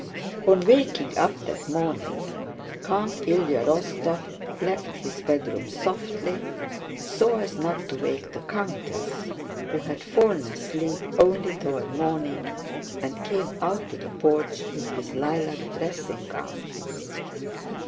On waking up that morning Count Ilyá Rostóv left his bedroom softly, so as not to wake the countess who had fallen asleep only toward morning, and came out to the porch in his lilac silk dressing gown.